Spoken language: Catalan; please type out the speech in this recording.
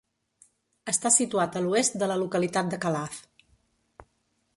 Està situat a l'oest de la localitat de Calaf.